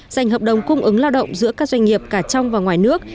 dành hợp đồng cung ứng lao động giữa các doanh nghiệp cả trong và ngoài nước